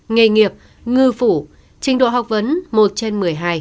nghề nghiệp ngư phủ trình độ học vấn một trên một mươi hai